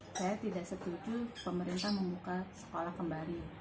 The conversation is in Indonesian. saya tidak setuju pemerintah membuka sekolah kembali